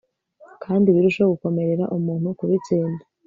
kandi birusheho gukomerera umuntu kubitsinda